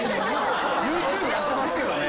ＹｏｕＴｕｂｅやってますけどね。